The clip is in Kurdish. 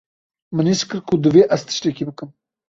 Min his kir ku divê ez tiştekî bikim.